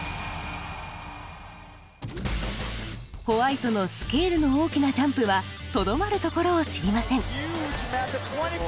ホワイトのスケールの大きなジャンプはとどまるところを知りません。